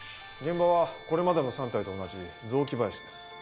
現場はこれまでの３体と同じ雑木林です。